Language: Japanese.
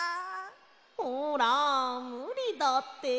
ほらむりだって。